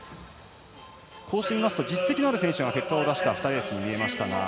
こうしてみると実績のある選手が結果を出した２レースに見えました。